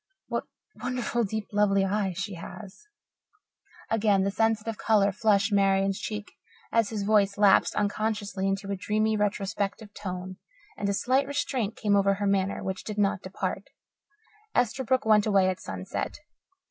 What wonderful, deep, lovely eyes she has." Again the sensitive colour flushed Marian's cheek as his voice lapsed unconsciously into a dreamy, retrospective tone, and a slight restraint came over her manner, which did not depart. Esterbrook went away at sunset.